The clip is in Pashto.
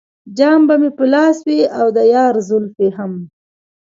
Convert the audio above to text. جام به مې په لاس وي او د یار زلفې هم.